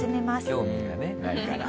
興味がねないから。